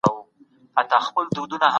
جورج ریترز د ټولنپوهنې نظریات بیان کړي دي.